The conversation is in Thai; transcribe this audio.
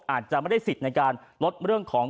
อาจจะไม่ได้สิทธิ์ในการลดเรื่องของ